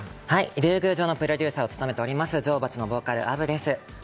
龍宮城のプロデューサーを務めております、女王蜂のボーカル・アヴです。